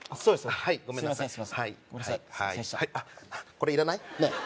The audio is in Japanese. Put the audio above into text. ねえこれいらない？